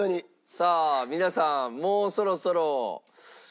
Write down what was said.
さあ皆さんもうそろそろ。